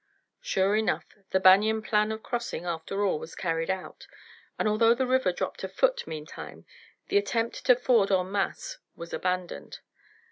Surely enough, the Banion plan of crossing, after all, was carried out, and although the river dropped a foot meantime, the attempt to ford en masse was abandoned.